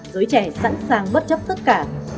giới trẻ sẵn sàng bất chấp tất cả